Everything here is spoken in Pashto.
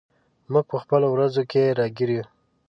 موږ په خپلو ورځو کې راګیر یو.